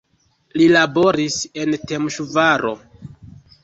Li laboris en Temeŝvaro.